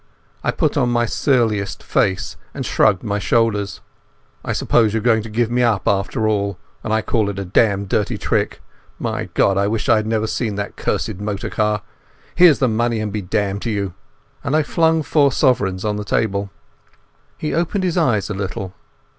I put on my surliest face and shrugged my shoulders. "I suppose you're going to give me up after all, and I call it a damned dirty trick. My God, I wish I had never seen that cursed motor car! Here's the money and be damned to you," and I flung four sovereigns on the table. He opened his eyes a little.